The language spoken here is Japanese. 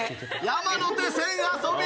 山手線遊び！